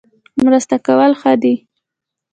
مرسته کول ښه دي